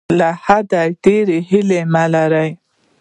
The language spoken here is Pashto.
له حده ډیرې هیلې مه لره.